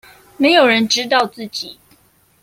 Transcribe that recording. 沒有人知道自己